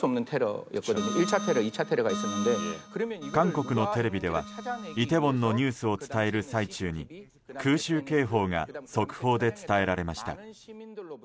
韓国のテレビではイテウォンのニュースを伝える最中に空襲警報が速報で伝えられました。